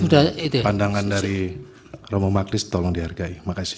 dan pandangan dari romo magnis tolong dihargai